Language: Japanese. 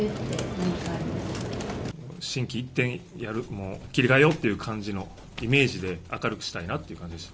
心機一転やる切り替えようという感じのイメージで明るくしたいなという感じです。